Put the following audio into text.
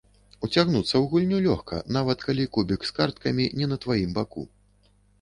Уцягнуцца ў гульню лёгка, нават калі кубік з карткамі не на тваім боку.